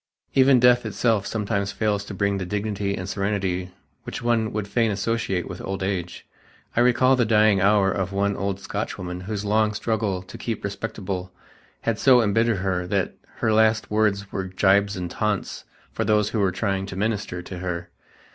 Even death itself sometimes fails to bring the dignity and serenity which one would fain associate with old age. I recall the dying hour of one old Scotchwoman whose long struggle to "keep respectable" had so embittered her that her last words were gibes and taunts for those who were trying to minister to her.